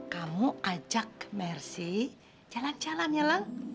kamu ajak mercy jalan jalan ya leng